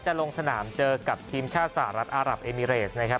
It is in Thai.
ลงสนามเจอกับทีมชาติสหรัฐอารับเอมิเรสนะครับ